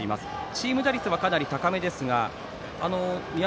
チーム打率はかなり高めですが。